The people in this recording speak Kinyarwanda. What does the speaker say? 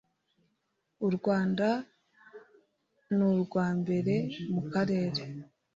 u Rwanda nurwambere mukarere.